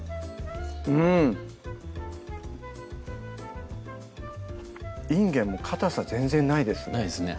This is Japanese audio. うんいんげんもかたさ全然ないですねないですね